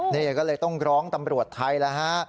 นี่ก็เลยต้องร้องตำรวจไทยแล้วฮะ